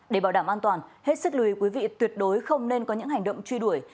để bảo đảm an toàn hết sức lùi quý vị tuyệt đối không nên có những hành động truy đuổi